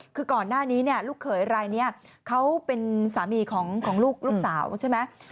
คือก่อนหน้านี้เนี่ยลูกเขยรายนี้เขาเป็นสามีของลูกสาวใช่ไหม